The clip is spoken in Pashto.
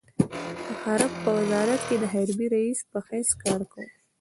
په حرب په وزارت کې د حربي رئيس په حیث کار کاوه.